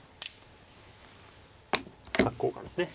角交換ですね。